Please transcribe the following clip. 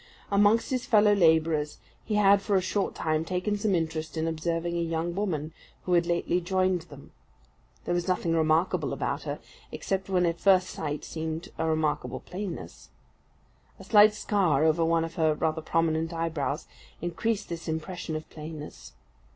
Amongst his fellow labourers, he had for a short time taken some interest in observing a young woman, who had lately joined them. There was nothing remarkable about her, except what at first sight seemed a remarkable plainness. A slight scar over one of her rather prominent eyebrows, increased this impression of plainness.